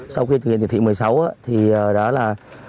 sau khi trực thị một mươi sáu thì đó là